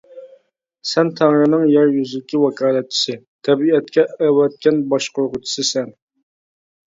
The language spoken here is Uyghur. سەن تەڭرىنىڭ يەر يۈزىدىكى ۋاكالەتچىسى، تەبىئەتكە ئەۋەتكەن باشقۇرغۇچىسى سەن!